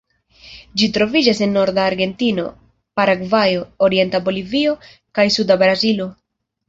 Ĝi troviĝas en norda Argentino, Paragvajo, orienta Bolivio, kaj suda Brazilo.